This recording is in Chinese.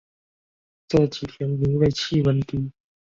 这几天因为气温低